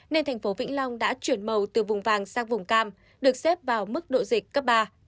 nên thành phố vĩnh long đã chuyển màu từ vùng vàng sang vùng cam được xếp vào mức độ dịch cấp ba